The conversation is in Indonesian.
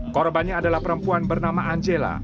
korbannya adalah perempuan bernama angela